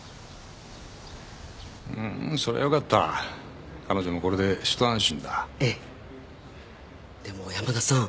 うんうんそれはよかった彼女もこれでひと安心だええでも小山田さん